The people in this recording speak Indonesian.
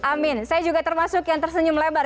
amin saya juga termasuk yang tersenyum lebar